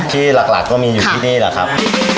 ที่หลักก็มีอยู่ที่นี่แหละครับ